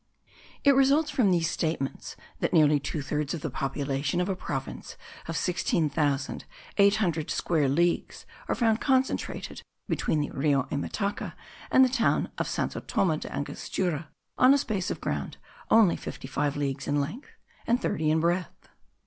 It results from these statements that nearly two thirds of the population of a province of sixteen thousand eight hundred square leagues are found concentrated between the Rio Imataca and the town of Santo Thome del Angostura, on a space of ground only fifty five leagues in length, and thirty in breadth.